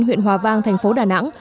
huyện hòa vang thành phố đà nẵng